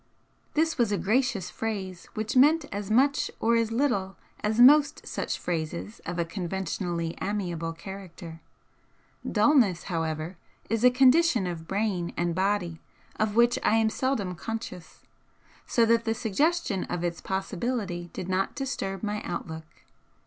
This was a gracious phrase which meant as much or as little as most such phrases of a conventionally amiable character. Dulness, however, is a condition of brain and body of which I am seldom conscious, so that the suggestion of its possibility did not disturb my outlook.